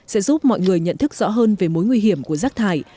sẽ giúp mọi người nhận thức rõ hơn về mối nguy hiểm của rác thải